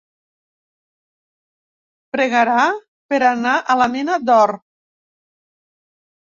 Pregarà per anar a la mina d'or.